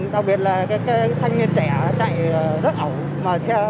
đặc biệt là các thanh niên trẻ chạy vận ẩu